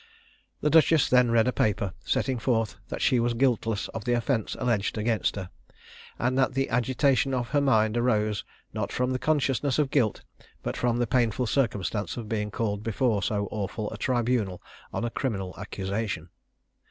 The duchess then read a paper, setting forth that she was guiltless of the offence alleged against her, and that the agitation of her mind arose, not from the consciousness of guilt, but from the painful circumstance of being called before so awful a tribunal on a criminal accusation.